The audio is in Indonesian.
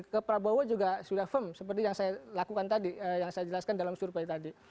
ke prabowo juga sudah firm seperti yang saya lakukan tadi yang saya jelaskan dalam survei tadi